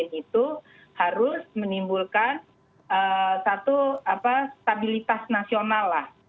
yang memimpin itu harus menimbulkan satu stabilitas nasional lah